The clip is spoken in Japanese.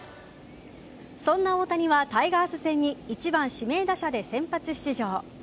そんな大谷はタイガース戦に１番・指名打者で先発出場。